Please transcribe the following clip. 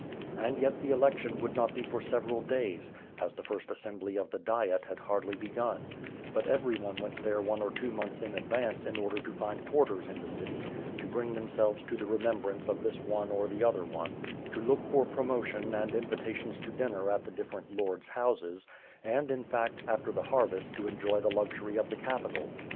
And yet the election would not be for several days, as the first assembly of the Diet had hardly begun; but everyone went there one or two months in advance in order to find quarters in the city; to bring themselves to the re membrance of this one or the other one; to look for promotion and invitations to dinner at the different lord^s houses; and, in fact, after the harvest to enjoy the luxury of the capital.